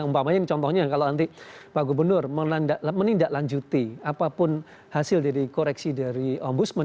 umpamanya contohnya kalau nanti pak gubernur menindaklanjuti apapun hasil dari koreksi dari ombudsman